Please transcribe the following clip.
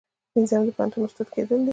پنځم د پوهنتون استاد کیدل دي.